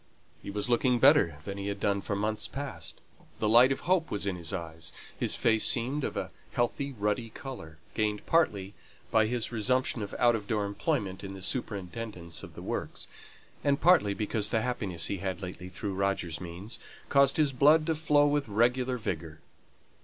He was looking better than he had done for months past; the light of hope was in his eyes, his face seemed of a healthy ruddy colour, gained partly by his resumption of outdoor employment in the superintendence of the works, and partly because the happiness he had lately had through Roger's means, caused his blood to flow with regular vigour.